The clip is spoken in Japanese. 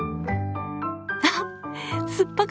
あっ！